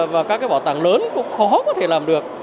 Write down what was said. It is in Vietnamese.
và các bảo tàng lớn cũng khó có thể làm được